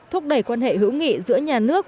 thúc đẩy quan hệ hữu nghị giữa nhà nước